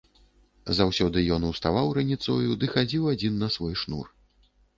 Заўсёды ён уставаў раніцою ды хадзіў адзін на свой шнур.